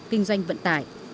kinh doanh vận tải